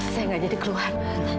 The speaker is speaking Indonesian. saya nggak jadi keluhan